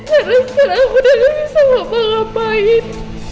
karena sekarang aku udah gak bisa ngapa ngapain